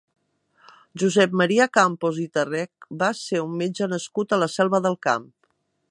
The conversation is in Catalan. Josep Maria Campos i Tarrech va ser un metge nascut a la Selva del Camp.